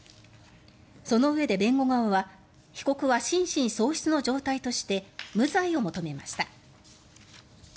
そのうえで弁護側は被告は心神喪失の状態として無罪を求めました。